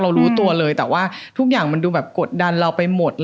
รู้ตัวเลยแต่ว่าทุกอย่างมันดูแบบกดดันเราไปหมด